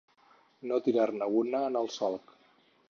No tirar-ne una en el solc.